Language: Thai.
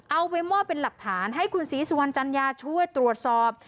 เอาไปมอบเป็นหลักฐานให้คุณศรีสุวรรณจัญญาช่วยตรวจสอบ